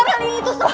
parah liituh sekolah